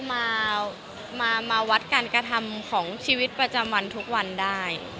มามาวัดการกระทำของชีวิตประจำวันทุกวันได้